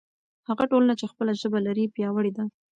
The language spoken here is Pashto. هغه ټولنه چې خپله ژبه لري پیاوړې ده.